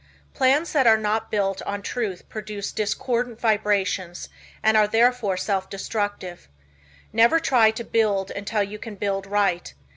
Plans that are not built on truth produce discordant vibrations and are therefore self destructive. Never try to build until you can build right.